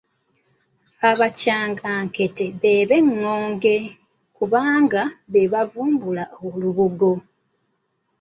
Abakyanjankete be b’Eŋŋonge kubanga be baavumbula olubugo.